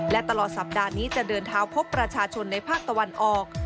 และตลอดสัปดาห์นี้จะเดินเท้าพบประชาชนในภาคตะวันออก